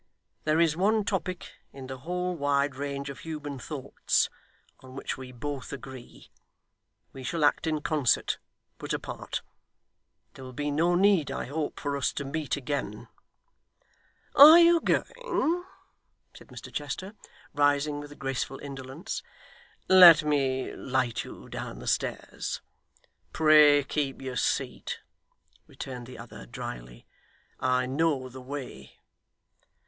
There is one topic in the whole wide range of human thoughts on which we both agree. We shall act in concert, but apart. There will be no need, I hope, for us to meet again.' 'Are you going?' said Mr Chester, rising with a graceful indolence. 'Let me light you down the stairs.' 'Pray keep your seat,' returned the other drily, 'I know the way.